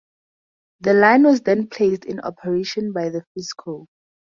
The line was then placed in operation by the Frisco.